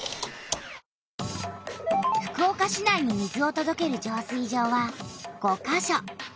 福岡市内に水をとどける浄水場は５か所。